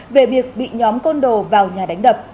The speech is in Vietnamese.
về việc bị nhóm côn đồ vào nhà đánh đập